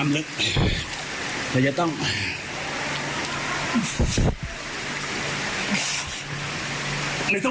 ล้อล้อล้อล้อ